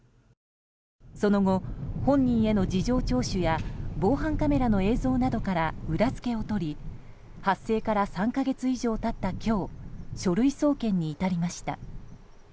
その後、本人への事情聴取や防犯カメラの映像などから裏付けを取り発生から３か月以上経った今日書類送検に至りました。